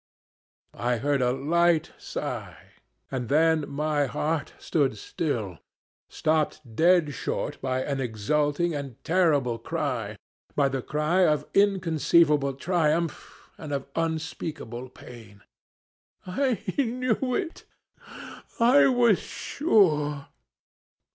"I heard a light sigh, and then my heart stood still, stopped dead short by an exulting and terrible cry, by the cry of inconceivable triumph and of unspeakable pain. 'I knew it I was sure!'